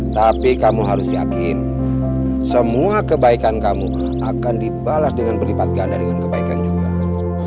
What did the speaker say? tapi kamu harus yakin semua kebaikan kamu akan dibalas dengan berlipat ganda dengan kebaikan juga